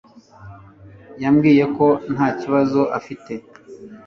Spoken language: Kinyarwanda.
yambwiye ko nta kibazo afite